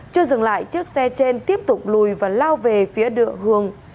trước dừng lại chiếc xe trên tiếp tục lùi và lao về phía đựa hương